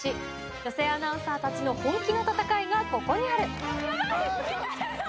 女性アナウンサーたちの本気の戦いがここにある。